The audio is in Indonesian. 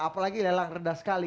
apalagi lelang rendah sekali